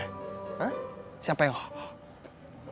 hah siapa yang